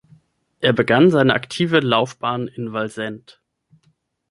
Er begann seine aktive Laufbahn in Wallsend.